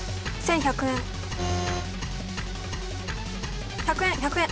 １００円１００円。